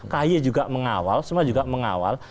k y juga mengawal semua juga mengawal